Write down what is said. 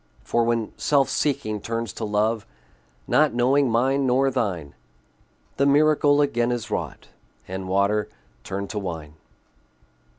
For when self seeking turns to love, Not knowing mine nor thine, The miracle again is wrought, And water turned to wine.